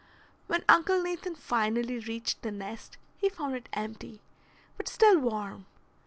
When Uncle Nathan finally reached the nest, he found it empty, but still warm.